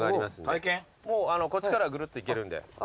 こっちからぐるっと行けるんで。